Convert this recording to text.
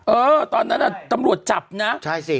เออตอนนั้นอ่ะตำรวจจับนะใช่สิ